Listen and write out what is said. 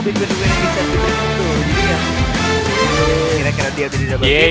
kira kira dia lebih di dalam